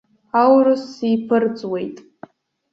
Аурыс сиԥырҵуеит.